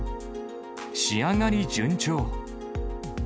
仕上がり順調！